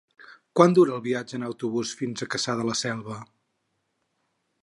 Quant dura el viatge en autobús fins a Cassà de la Selva?